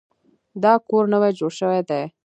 دا کور نوی جوړ شوی دی